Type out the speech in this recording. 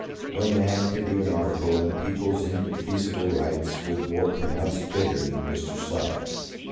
No man could do an article on the people's indefeasible rights with more pronounced vigour than Mr. Slide.